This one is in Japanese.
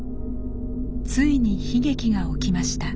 ついに悲劇が起きました。